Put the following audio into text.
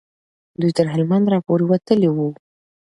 دوی تر هلمند را پورې وتلي وو.